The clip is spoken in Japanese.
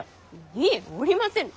いえおりませぬ！